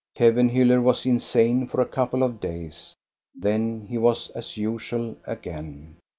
Kevenhiiller was insane for a couple of days. Then he was as usual again.